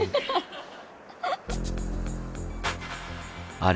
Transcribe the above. あれ？